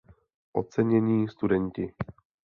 Ocenění studenti.